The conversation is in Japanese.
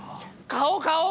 顔顔！